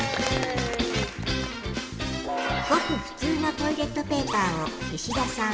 ごくふつうのトイレットペーパーを石田さん